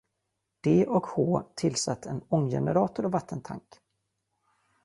D och H tillsatt en ånggenerator och vattentank.